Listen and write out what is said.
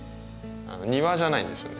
庭じゃないんですよね。